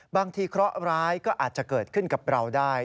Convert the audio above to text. เคราะห์ร้ายก็อาจจะเกิดขึ้นกับเราได้